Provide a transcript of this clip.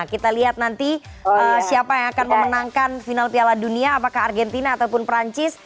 kita lihat nanti siapa yang akan memenangkan final piala dunia apakah argentina ataupun perancis